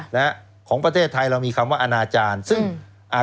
นะฮะของประเทศไทยเรามีคำว่าอนาจารย์ซึ่งอ่า